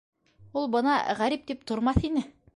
Ул бына ғәрип тип тормаҫ ине.